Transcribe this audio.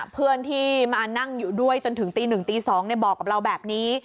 เพื่อนที่มานั่งอยู่ด้วยจนถึงตี๑ตี๒บอกกับเราแบบนี้